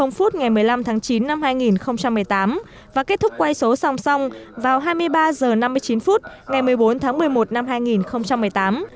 ngày một mươi năm tháng chín năm hai nghìn một mươi tám và kết thúc quay số song song vào hai mươi ba h năm mươi chín phút ngày một mươi bốn tháng một mươi một năm hai nghìn một mươi tám